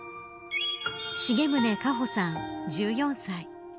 重宗果歩さん、１４歳。